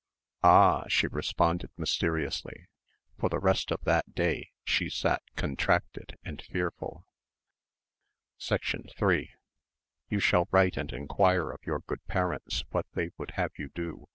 "Ah!" she responded mysteriously. For the rest of that day she sat contracted and fearful. 3 "You shall write and enquire of your good parents what they would have you do.